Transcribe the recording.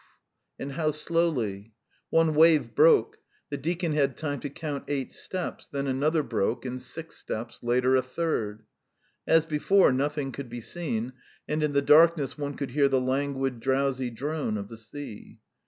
and how slowly! One wave broke the deacon had time to count eight steps; then another broke, and six steps; later a third. As before, nothing could be seen, and in the darkness one could hear the languid, drowsy drone of the sea.